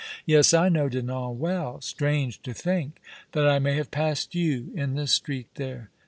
Yes, I know Dinan well, h'trange to think that I may have passed you in the street there.